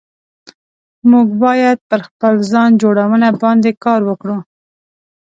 موږ بايد پر خپل ځان جوړونه باندي کار وکړو